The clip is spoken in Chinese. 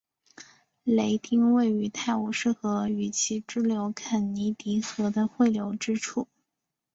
雷丁位于泰晤士河与其支流肯尼迪河的汇流之处。